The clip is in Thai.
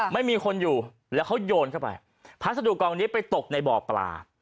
ไม่มีคนอยู่แล้วเขาโยนเข้าไปพัสดุกองนี้ไปตกในบ่อปลา